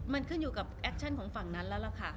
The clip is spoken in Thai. มันขึ้นอยู่กับแอคชั่นของฝั่งนั้นแล้วล่ะค่ะ